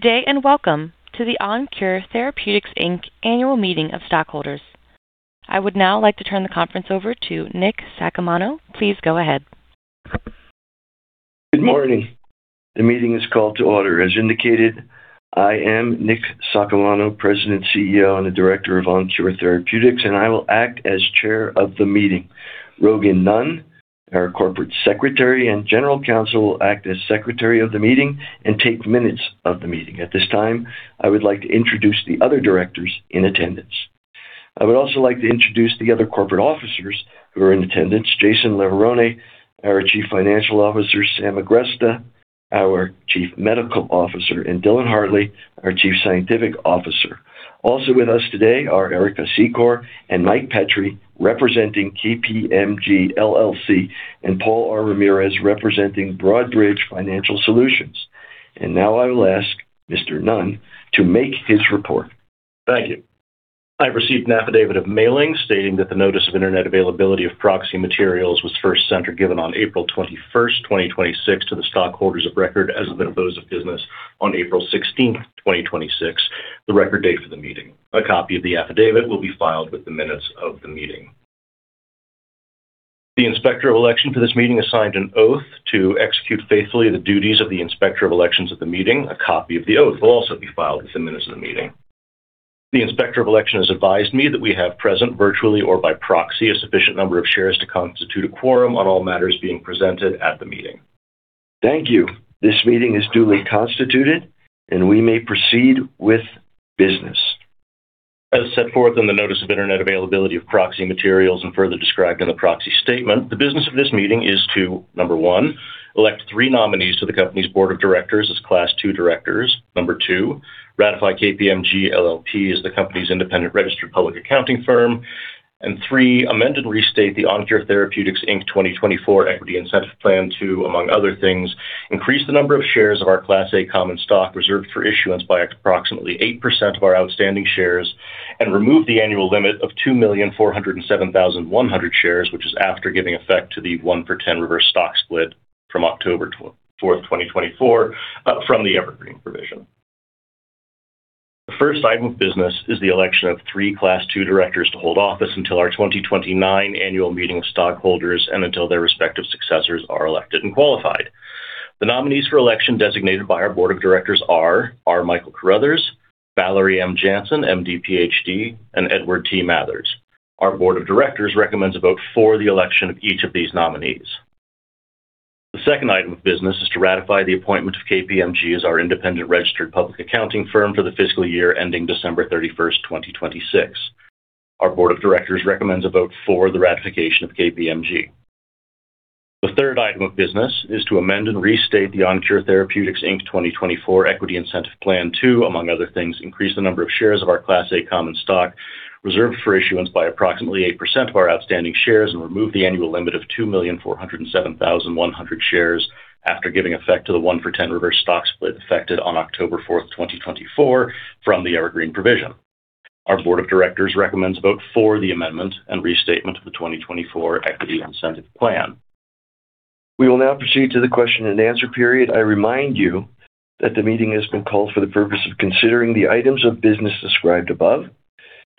Good day, welcome to the OnKure Therapeutics, Inc annual meeting of stockholders. I would now like to turn the conference over to Nick Saccomano. Please go ahead. Good morning. The meeting is called to order. As indicated, I am Nick Saccomano, President, CEO, and a Director of OnKure Therapeutics. I will act as Chair of the meeting. Rogan Nunn, our Corporate Secretary and General Counsel, will act as Secretary of the meeting and take minutes of the meeting. At this time, I would like to introduce the other directors in attendance. I would also like to introduce the other corporate officers who are in attendance, Jason Leverone, our Chief Financial Officer, Sam Agresta, our Chief Medical Officer, and Dylan Hartley, our Chief Scientific Officer. Also with us today are Erica Secor and Mike Petry, representing KPMG LLP, and Paul R. Ramirez, representing Broadridge Financial Solutions. Now I will ask Mr. Nunn to make his report. Thank you. I have received an affidavit of mailing stating that the notice of Internet availability of proxy materials was first sent or given on April 21st, 2026, to the stockholders of record as of the close of business on April 16th, 2026, the record date for the meeting. A copy of the affidavit will be filed with the minutes of the meeting. The Inspector of Election for this meeting has signed an oath to execute faithfully the duties of the Inspector of Elections at the meeting. A copy of the oath will also be filed with the minutes of the meeting. The Inspector of Election has advised me that we have present, virtually or by proxy, a sufficient number of shares to constitute a quorum on all matters being presented at the meeting. Thank you. This meeting is duly constituted, and we may proceed with business. As set forth in the notice of Internet availability of proxy materials and further described in the proxy statement, the business of this meeting is to, number one, elect three nominees to the company's board of directors as Class II directors. Number two, ratify KPMG LLP as the company's independent registered public accounting firm. Three, amend and restate the OnKure Therapeutics, Inc 2024 Equity Incentive Plan to, among other things, increase the number of shares of our Class A common stock reserved for issuance by approximately 8% of our outstanding shares and remove the annual limit of 2,407,100 shares, which is after giving effect to the one-for-10 reverse stock split from October 4th, 2024, from the evergreen provision. The first item of business is the election of three Class II directors to hold office until our 2029 annual meeting of stockholders and until their respective successors are elected and qualified. The nominees for election designated by our board of directors are R. Michael Carruthers, Valerie M. Jansen, MD, PhD, and Edward T. Mathers. Our board of directors recommends a vote for the election of each of these nominees. The second item of business is to ratify the appointment of KPMG as our independent registered public accounting firm for the fiscal year ending December 31st, 2026. Our board of directors recommends a vote for the ratification of KPMG. The third item of business is to amend and restate the OnKure Therapeutics, Inc 2024 Equity Incentive Plan to, among other things, increase the number of shares of our Class A common stock reserved for issuance by approximately 8% of our outstanding shares and remove the annual limit of 2,407,100 shares after giving effect to the 1-for-10 reverse stock split effected on October 4th, 2024, from the evergreen provision. Our board of directors recommends a vote for the amendment and restatement of the 2024 Equity Incentive Plan. We will now proceed to the question and answer period. I remind you that the meeting has been called for the purpose of considering the items of business described above.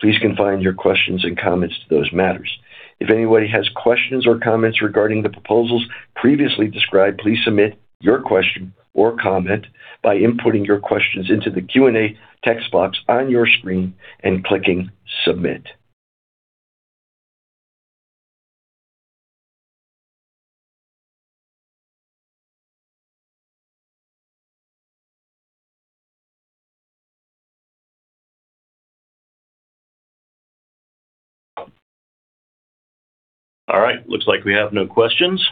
Please confine your questions and comments to those matters. If anybody has questions or comments regarding the proposals previously described, please submit your question or comment by inputting your questions into the Q&A text box on your screen and clicking submit. All right, looks like we have no questions.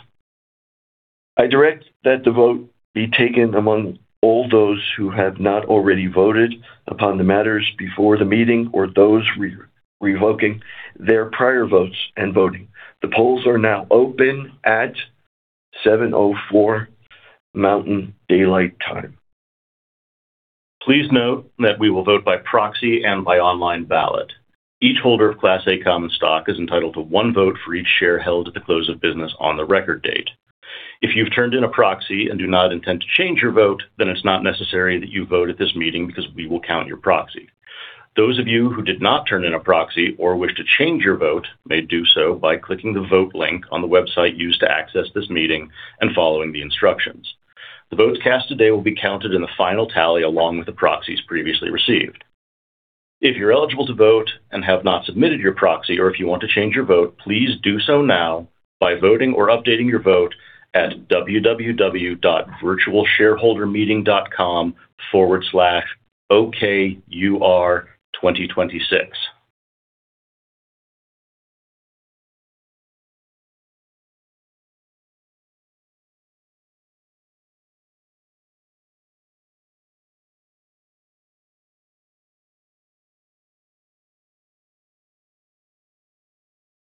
I direct that the vote be taken among all those who have not already voted upon the matters before the meeting or those revoking their prior votes and voting. The polls are now open at 7:04 A.M. Mountain Daylight Time. Please note that we will vote by proxy and by online ballot. Each holder of Class A common stock is entitled to one vote for each share held at the close of business on the record date. If you've turned in a proxy and do not intend to change your vote, then it's not necessary that you vote at this meeting because we will count your proxy. Those of you who did not turn in a proxy or wish to change your vote may do so by clicking the vote link on the website used to access this meeting and following the instructions. The votes cast today will be counted in the final tally along with the proxies previously received. If you're eligible to vote and have not submitted your proxy, or if you want to change your vote, please do so now by voting or updating your vote at www.virtualshareholdermeeting.com/okur2026.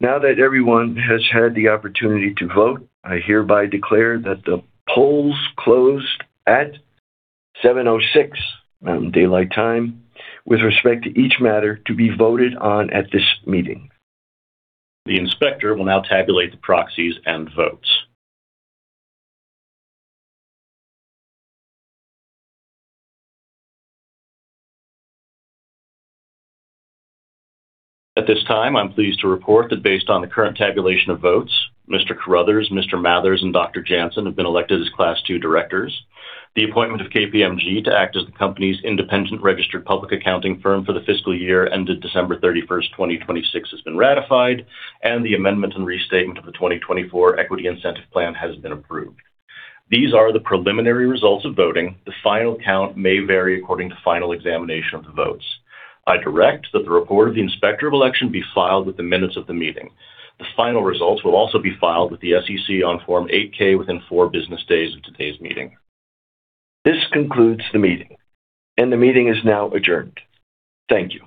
Now that everyone has had the opportunity to vote, I hereby declare that the polls closed at 7:06 A.M. Mountain Daylight Time with respect to each matter to be voted on at this meeting. The inspector will now tabulate the proxies and votes. At this time, I'm pleased to report that based on the current tabulation of votes, Mr. Carruthers, Mr. Mathers, and Dr. Jansen have been elected as Class II directors. The appointment of KPMG to act as the company's independent registered public accounting firm for the fiscal year ended December 31st, 2026, has been ratified, and the amendment and restatement of the 2024 Equity Incentive Plan has been approved. These are the preliminary results of voting. The final count may vary according to final examination of the votes. I direct that the report of the Inspector of Election be filed with the minutes of the meeting. The final results will also be filed with the SEC on Form 8-K within four business days of today's meeting. This concludes the meeting, and the meeting is now adjourned. Thank you.